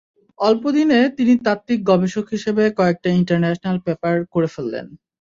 অল্প দিনে তিনি তাত্ত্বিক গবেষক হিসেবে কয়েকটা ইন্টারন্যাশনাল পেপার করে ফেললেন।